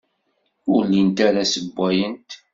Ur llint ara ssewwayent.